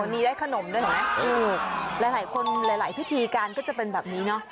นี่ได้ขนมด้วยเห็นไหมเออหลายคนหลายพิธีการก็จะเป็นแบบนี้เนอะ